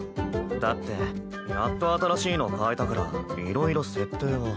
だってやっと新しいの買えたからいろいろ設定を。